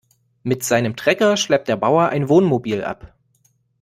Mit seinem Trecker schleppt der Bauer ein Wohnmobil ab.